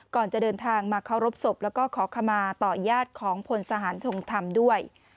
ก่อนจะเดินทางมาเคารพศพแล้วก็ขอขมาต่อญาติของพลทหารทงธรรมด้วย